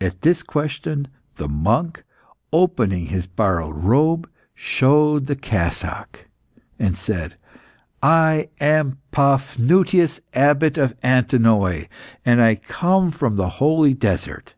At this question the monk, opening his borrowed robe, showed the cassock, and said "I am Paphnutius, Abbot of Antinoe, and I come from the holy desert.